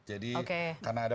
jadi karena ada